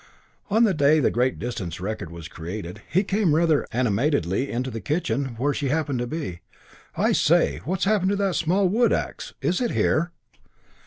On the day the great distance record was created he came rather animatedly into the kitchen where she happened to be. "I say, what's happened to that small wood axe? Is it in here?"